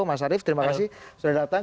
mas arief terima kasih sudah datang